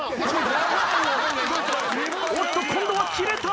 おっと。今度はキレた。